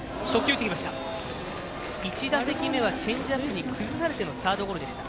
１打席目はチェンジアップに崩されてのサードゴロでした。